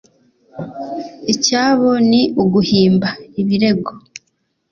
icyabo ni uguhimba ibirego